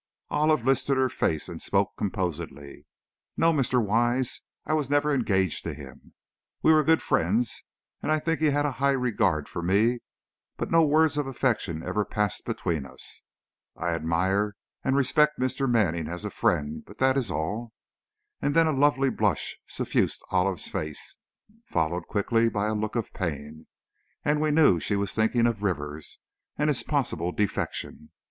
Olive lifted her face, and spoke composedly: "No, Mr. Wise, I was never engaged to him. We were good friends, and I think he had a high regard for me, but no words of affection ever passed between us. I admire and respect Mr. Manning as a friend, but that is all." And then a lovely blush suffused Olive's face, followed quickly by a look of pain, and we knew she was thinking of Rivers, and his possible defection.